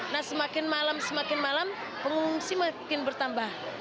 nah semakin malam semakin malam pengungsi makin bertambah